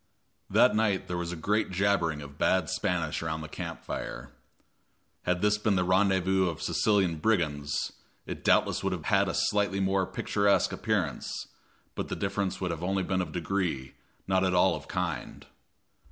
That night there was a great jabbering of bad Spanish around the camp fire. Had this been the rendezvous of Sicilian brigands, it doubtless would have had a slightly more picturesque appearance, but the difference would have been only of degree, not at all of kind.